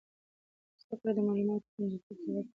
زده کړه د معلوماتو خوندیتوب ته وده ورکوي.